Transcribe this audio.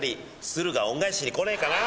鶴が恩返しに来ねえかな。